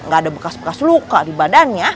gak ada bekas bekas luka di badannya